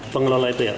pengelola itu ya